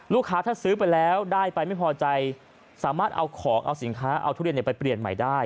ถ้าซื้อไปแล้วได้ไปไม่พอใจสามารถเอาของเอาสินค้าเอาทุเรียนไปเปลี่ยนใหม่ได้